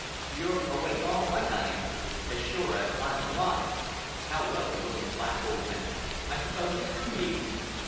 "You're awake all right," I answered, "as sure as I'm alive! How well you look in black, old man! I suppose it's for me?"